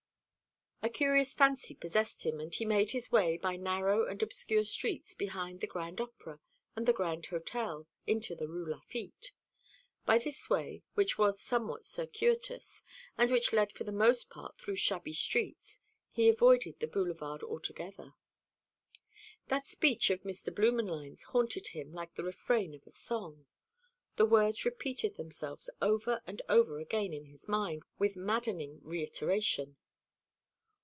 A curious fancy possessed him; and he made his way, by narrow and obscure streets, behind the Grand Opera and the Grand Hotel, into the Rue Lafitte. By this way, which was somewhat circuitous, and which led for the most part through shabby streets, he avoided the Boulevard altogether. That speech of Mr. Blümenlein's haunted him, like the refrain of a song. The words repeated themselves over and over again in his mind, with maddening reiteration.